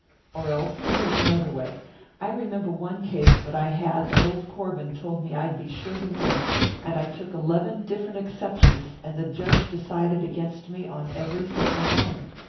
Or else here's another way. I remember one case that I had that old Corbin told me I'd be sure to win, and I took eleven different exceptions, and the judge decided against me on every single one.